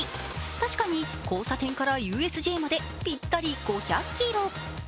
確かに交差点からＵＳＪまでぴったり５００ｋｍ。